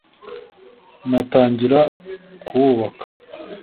natangira kuwubaka